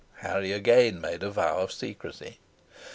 Harry again made a vow of secrecy.